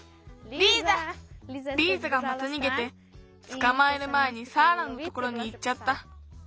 リーザがまたにげてつかまえるまえにサーラのところにいっちゃった。